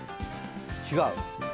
違う？